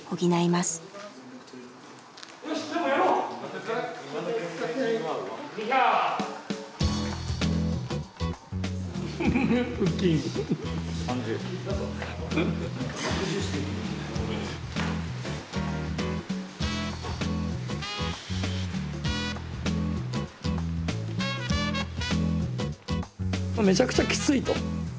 まあめちゃくちゃきついと。